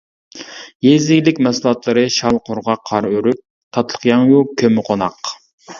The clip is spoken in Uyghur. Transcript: يېزا ئىگىلىك مەھسۇلاتلىرى شال قۇرغاق قارىئۆرۈك، تاتلىقياڭيۇ، كۆممىقوناق.